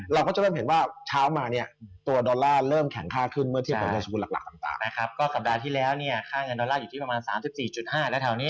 เราก็จะได้เห็นว่าเช้ามาเนี่ยตัวดอลลาร์เริ่มแข็งค่าขึ้นเมื่อเทียบของเงินสมุนหลักต่าง